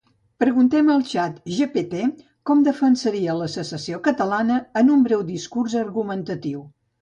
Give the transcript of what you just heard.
Preguntem al Chat gpt com defensaria la secessió catalana en un breu discurs argumentatiu